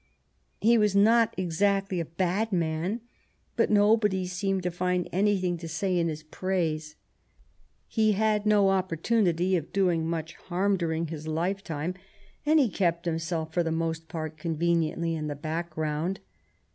He was not exactly a bad man, but nobody seemed to find anything to say in his praise. He had no opportunity of doing much harm during his lifetime, and he kept himself for the 7 THE REIGN OF QUEEN ANNE most part conveniently in the background.